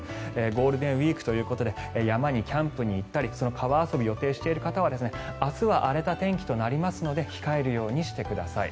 ゴールデンウィークということで山にキャンプに行ったり川遊びを予定している方は明日は荒れた天気となりますので控えるようにしてください。